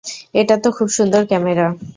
এটা তো খুব সুন্দর ক্যামেরা।